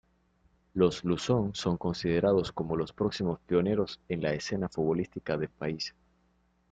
Los Luzon son considerados como los próximos pioneros en la escena futbolística del país.